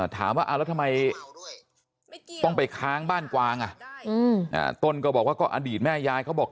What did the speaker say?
ถามว่าแล้วทำไมต้องไปค้างบ้านกวางต้นก็บอกว่าก็อดีตแม่ยายเขาบอก